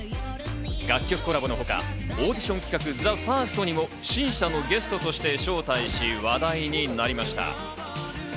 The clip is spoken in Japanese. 楽曲コラボのほか、オーディション企画、ＴＨＥＦＩＲＳＴにも審査のゲストとして招待し話題になりました。